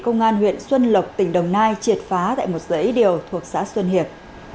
công an huyện xuân lộc tỉnh đồng nai triệt phá tại một dãy điều thuộc xã xuân hiệp